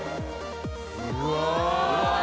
うわ！